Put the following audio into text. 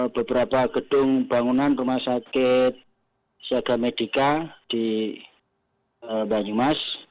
beberapa gedung bangunan rumah sakit siaga medica di banyumas